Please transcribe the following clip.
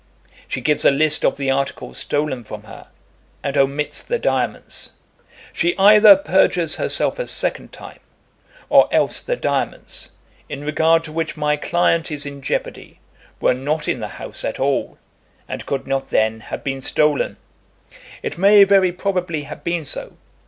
She gives a list of the articles stolen from her, and omits the diamonds. She either perjures herself a second time, or else the diamonds, in regard to which my client is in jeopardy, were not in the house at all, and could not then have been stolen. It may very probably have been so.